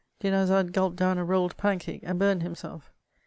Dinarzade gulped down a rolled pancake and burned himself.